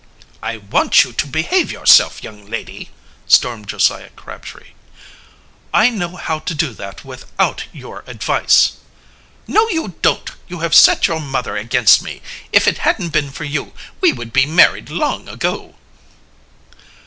"I want you to behave yourself, young lady," stormed Josiah Crabtree. "I know how to do that without your advice." "No, you don't. You have set your mother against me. If it hadn't been for you, we would be married long ago."